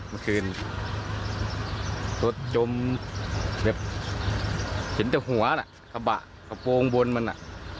เมื่อคืนรถจมแบบเห็นแต่หัวน่ะกระบะกระโปรงบนมันอ่ะ